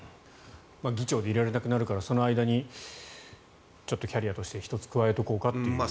議長でいられなくなるからその間にキャリアとして１つ、加えておこうかという。